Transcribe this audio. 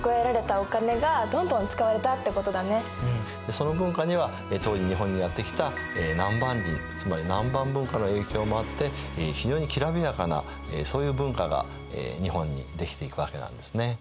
その文化には当時日本にやって来た南蛮人つまり南蛮文化の影響もあって非常にきらびやかなそういう文化が日本にできていくわけなんですね。